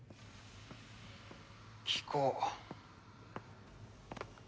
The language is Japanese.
聞こう。